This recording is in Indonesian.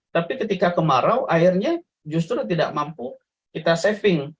tapi ketika kemarau airnya justru tidak mampu kita saving